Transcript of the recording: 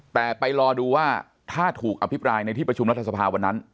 แต่ไปรอดูว่าถ้าถูกอภิปรายในที่ประชุมรัฐสภาวันนั้น